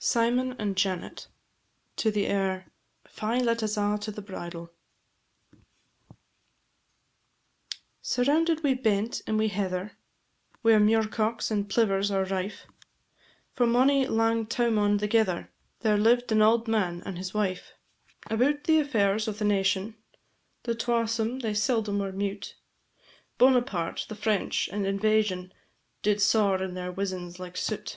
SYMON AND JANET. AIR "Fy, let us a' to the Bridal." Surrounded wi' bent and wi' heather, Whare muircocks and plivers are rife, For mony lang towmond thegither, There lived an auld man and his wife. About the affairs o' the nation, The twasome they seldom were mute; Bonaparte, the French, and invasion, Did saur in their wizens like soot.